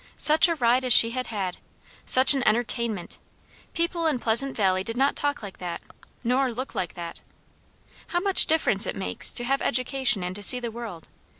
Such a ride as she had had! Such an entertainment! People in Pleasant Valley did not talk like that; nor look like that. How much difference it makes, to have education and to see the world!